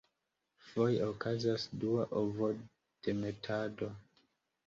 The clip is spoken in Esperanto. Foje okazas dua ovodemetado.